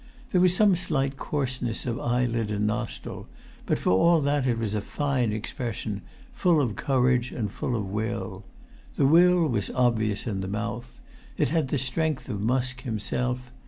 There was some slight coarseness of eyelid and nostril; but for all that it was a fine expression, full of courage and full of will. The will was obvious in the mouth. It had the strength of Musk himself.